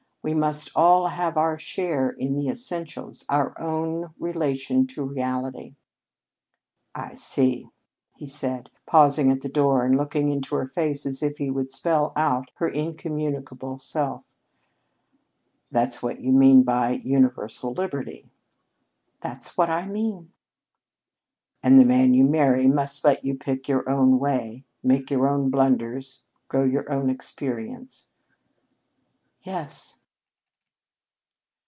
We must all have our share in the essentials our own relation to reality." "I see," he said, pausing at the door, and looking into her face as if he would spell out her incommunicable self. "That's what you mean by universal liberty." "That's what I mean." "And the man you marry must let you pick your own way, make your own blunders, grow by your own experience." "Yes."